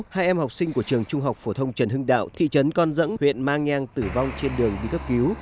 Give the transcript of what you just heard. hai em học sinh của trường trung học phổ thông trần hưng đạo thị trấn con dẫng huyện mang nhang tử vong trên đường đi cấp cứu